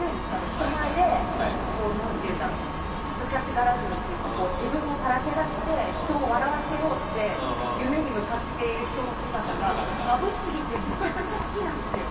人前で恥ずかしがらずにというか自分をさらけ出して人を笑わせようって夢に向かっている人の姿がまぶしくてめちゃくちゃ好きなんですよ。